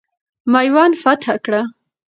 میوند فتح کړه.